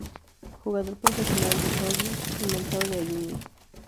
Jugador profesional de shoji y mentor de Ayumi.